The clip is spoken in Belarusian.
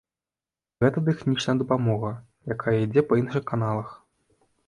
Гэта тэхнічная дапамога, якая ідзе па іншых каналах.